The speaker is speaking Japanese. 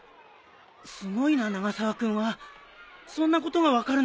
すごいな永沢君はそんなことが分かるなんて。